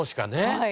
はい。